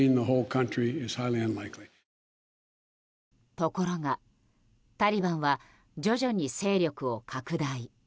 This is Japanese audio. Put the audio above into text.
ところがタリバンは徐々に勢力を拡大。